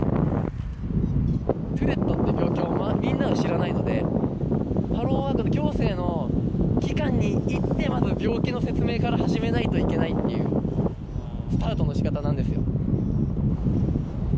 トゥレットって病気をみんなが知らないのでハローワークの行政の機関に行ってまず病気の説明から始めないといけないっていうスタートの仕方なんですよ